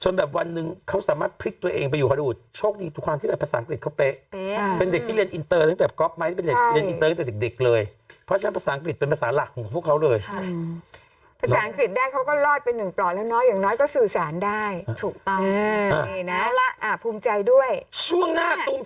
นึกออกปะนางเมื่อก่อนนางเล่นคอนเสิร์ตคอนเสิร์ตนางช่วงนึง